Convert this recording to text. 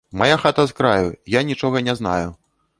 Мая хата з краю, я нічога не знаю!